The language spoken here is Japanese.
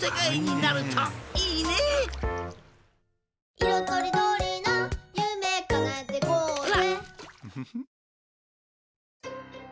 とりどりなゆめかなえてこうぜ！」